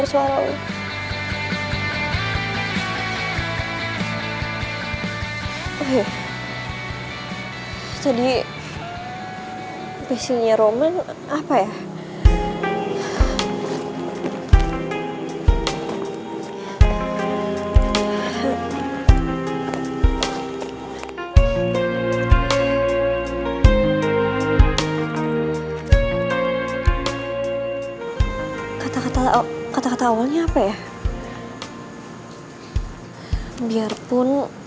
ternyata terima kasih gue buat lo